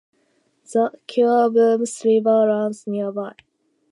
The Keurbooms River runs nearby.